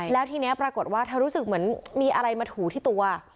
แล้วทีนี้ปรากฏว่าเธอรู้สึกเหมือนมีอะไรมาถูที่ตัว